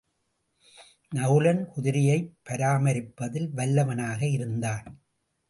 நகுலன் குதிரையைப் பராமரிப்பதில் வல்லவனாக இருந்தான்.